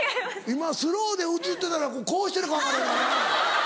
今スローで映ってたらこうしてるか分からへんからな。